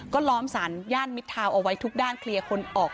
ก็ล้อมสารย่านมิดทาวน์เอาไว้ทุกด้านเคลียร์คนออก